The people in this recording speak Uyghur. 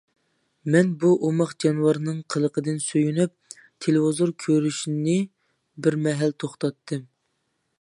مەن بۇ ئوماق جانىۋارنىڭ قىلىقىدىن سۆيۈنۈپ، تېلېۋىزور كۆرۈشنى بىر مەھەل توختاتتىم.